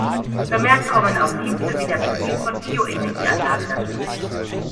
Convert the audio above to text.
Vermehrt kommen auch Dienste wie der Betrieb von Bio-Energieanlagen dazu.